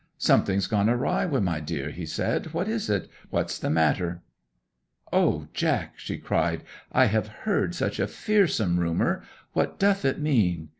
'Something's gone awry wi' my dear!' he said. 'What is it? What's the matter?' 'O, Jack!' she cried. 'I have heard such a fearsome rumour what doth it mean?